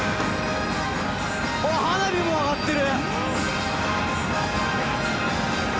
花火もあがってる！